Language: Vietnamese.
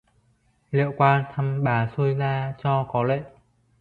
Liệng qua thăm bà sui gia cho có lệ